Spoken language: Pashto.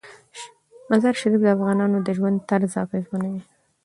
مزارشریف د افغانانو د ژوند طرز اغېزمنوي.